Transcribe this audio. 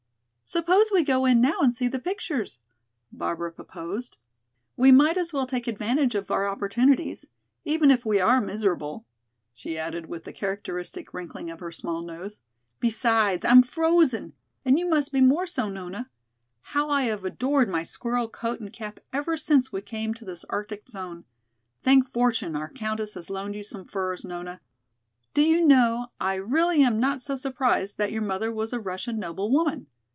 "Suppose we go in now and see the pictures," Barbara proposed. "We might as well take advantage of our opportunities, even if we are miserable," she added with the characteristic wrinkling of her small nose. "Besides, I'm frozen, and you must be more so, Nona. How I have adored my squirrel coat and cap ever since we came to this arctic zone! Thank fortune, our Countess has loaned you some furs, Nona! Do you know, I really am not so surprised that your mother was a Russian noble woman.